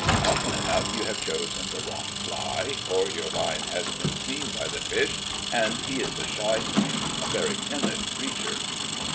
Often enough you have chosen the wrong fly, or your line has been seen by the fish; and he is a shy thing, a very timid creature."